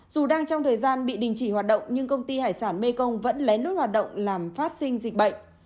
dù đang trong thời gian bị đình chỉ hoạt động nhưng công ty hải sản mekong vẫn lén lút hoạt động làm phát sinh dịch bệnh